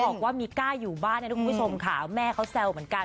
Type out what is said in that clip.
เมียะว่ามีก้าอยู่บ้านทำดูคุณผู้ชมขายว่าแม่เค้าแซวเหมือนกัน